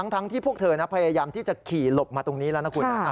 ทั้งที่พวกเธอพยายามที่จะขี่หลบมาตรงนี้แล้วนะคุณ